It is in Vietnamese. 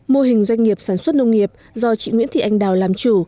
mô hình doanh nghiệp sản xuất nông nghiệp do chị nguyễn thị anh đào làm chủ